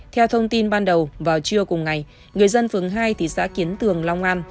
theo thông tin ban đầu vào trưa cùng ngày người dân phường hai thị xã kiến tường long an